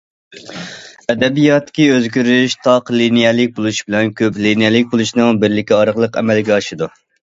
ئەدەبىياتتىكى ئۆزگىرىش تاق لىنىيەلىك بولۇش بىلەن كۆپ لىنىيەلىك بولۇشنىڭ بىرلىكى ئارقىلىق ئەمەلگە ئاشىدۇ.